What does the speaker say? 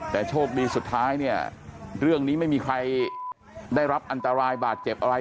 แต่โชคดีสุดท้ายเนี่ยเรื่องนี้ไม่มีใครได้รับอันตรายบาดเจ็บอะไร